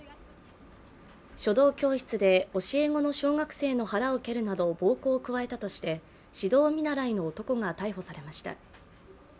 書道教室で教え子の小学生の腹を蹴るなど暴行を加えたとして指導見習いの男が逮捕されました。